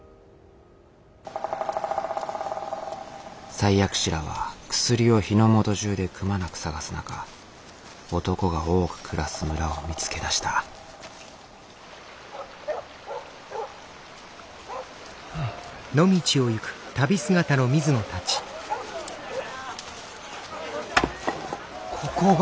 採薬使らは薬を日の本中でくまなく探す中男が多く暮らす村を見つけ出したここが。